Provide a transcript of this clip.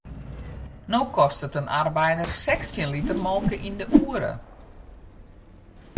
No kostet in arbeider sechstjin liter molke yn de oere.